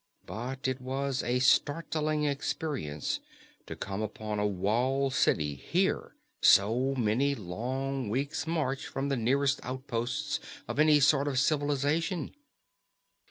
But it was a startling experience to come upon a walled city here so many long weeks' march from the nearest outposts of any sort of civilization.